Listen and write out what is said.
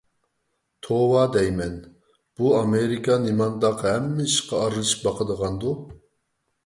توۋا دەيمەن، بۇ ئامېرىكا نېمانداق ھەممە ئىشقا ئارىلىشىپ باقىدىغاندۇ.